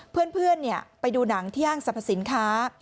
เพื่อนไปดูหนังที่ห้างสรรพสินค้า